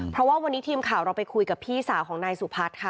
เพราะว่าวันนี้ทีมข่าวเราไปคุยกับพี่สาวของนายสุพัฒน์ค่ะ